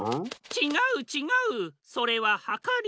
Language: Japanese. ちがうちがうそれははかり。